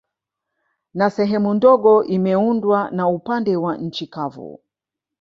Na sehemu ndogo imeundwa na upande wa nchi kavu